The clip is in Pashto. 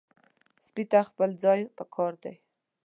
سپي ته خپل ځای پکار دی.